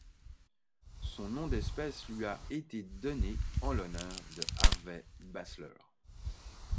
Son nom d'espèce lui a été donné en l'honneur de Harvey Bassler.